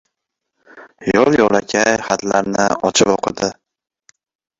Yo‘l-yo‘lakay xatlarni ochib o‘qidi.